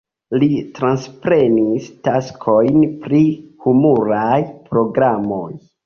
Li transprenis taskojn pri humuraj programoj.